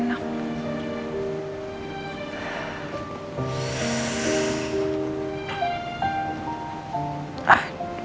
nah saya tidak bisa menikmati saya sendiri